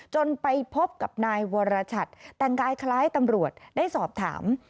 จนไปพบกับนายวรชัดแต่งกายคล้ายตำรวจได้สอบถาม